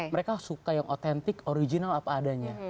mereka suka yang otentik original apa adanya